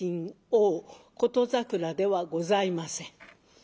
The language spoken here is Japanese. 「琴桜」ではございません。